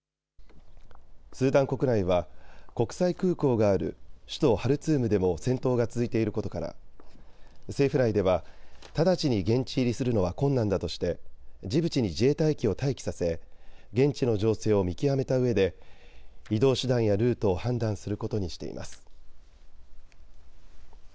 スーダン国内は国際空港がある首都ハルツームでも戦闘が続いていることから政府内では直ちに現地入りするのは困難だとしてジブチに自衛隊機を待機させ現地の情勢を見極めたうえで移動手段やルートを判断することにしています。